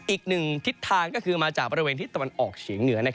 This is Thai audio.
อีกหนึ่งทิศทางก็คือมาจากบริเวณที่ตะวันออกเฉียงเหนือ